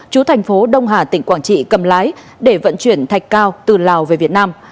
chú thành phố đông hà tỉnh quảng trị cầm lái để vận chuyển thạch cao từ lào về việt nam